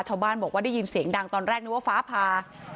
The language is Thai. ชาวบ้านบอกว่าได้ยินเสียงดังตอนแรกนึกว่าฟ้าผ่า